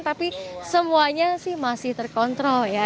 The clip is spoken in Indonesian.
tapi semuanya sih masih terkontrol ya